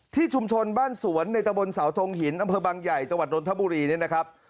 ที่ชุมชนบ้านสวนในตะบนสาวทงหินอำเภอบางใหญ่จังหวัดนทบุรีเนี่ยนะครับ